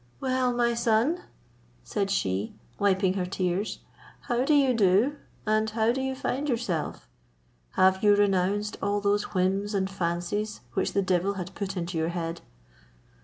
"Well, my son," said she, wiping her tears, "how do you do, and how do you find yourself? Have you renounced all those whims and fancies which the devil had put into your head?"